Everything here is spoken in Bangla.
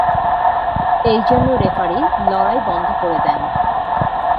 এইজন্য রেফারি লড়াই বন্ধ করে দেন।